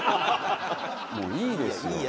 もういいですよ。